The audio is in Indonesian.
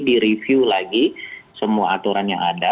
direview lagi semua aturan yang ada